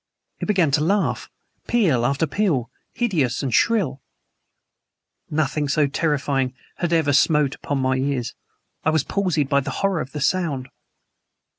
It began to laugh peal after peal hideous and shrill. Nothing so terrifying had ever smote upon my ears. I was palsied by the horror of the sound.